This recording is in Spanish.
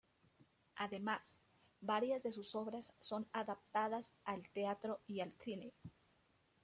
Además, varias de sus obras son adaptadas al teatro y al cine.